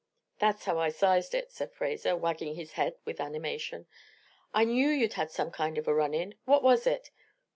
"That's how I sized it," said Fraser, wagging his head with animation, "I knew you'd had some kind of a run in. What was it?